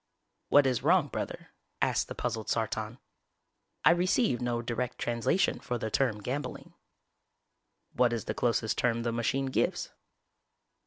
"What is wrong, Brother?" asked the puzzled Sartan. "I receive no direct translation for the term 'gambling'." "_What is the closest term the machine gives?